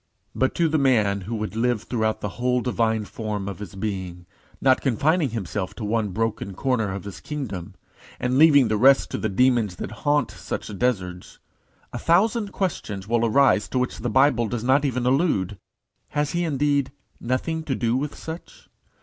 But to the man who would live throughout the whole divine form of his being, not confining himself to one broken corner of his kingdom, and leaving the rest to the demons that haunt such deserts, a thousand questions will arise to which the Bible does not even allude. Has he indeed nothing to do with such?